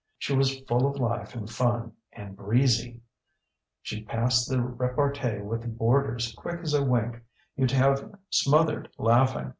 She was full of life and fun, and breezy; she passed the repartee with the boarders quick as a wink; youŌĆÖd have smothered laughing.